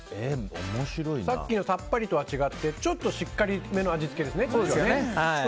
さっきのサッパリとは違ってちょっとしっかりめの味付けですね。